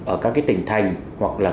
ở các cái tỉnh thành hoặc là